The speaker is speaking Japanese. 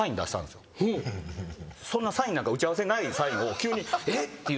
そんなサインなんか打ち合わせにないサインを急に「えっ？」っていうサインだった。